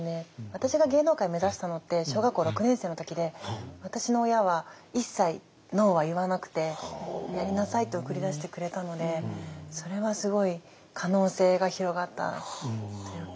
私が芸能界目指したのって小学校６年生の時で私の親は一切「ＮＯ」は言わなくて「やりなさい」と送り出してくれたのでそれはすごい可能性が広がったというか。